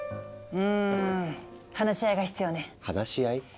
うん話し合いが必要ね。話し合い？